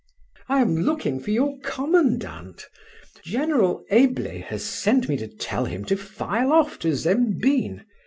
"I am looking for your commandant. General Eble has sent me to tell him to file off to Zembin.